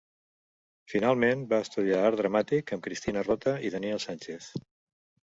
Finalment, va estudiar Art Dramàtic amb Cristina Rota i Daniel Sánchez.